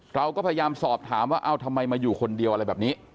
เราก็พยายามสอบถามว่าเอ้าทำไมมาอยู่คนเดียวอะไรแบบนี้